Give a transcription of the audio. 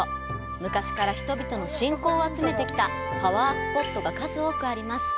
昔から人々の信仰を集めてきたパワースポットが数多くあります。